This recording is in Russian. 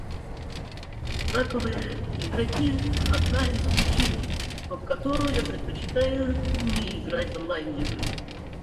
Раковые игроки — одна из причин, по которой я предпочитаю не играть в онлайн-игры.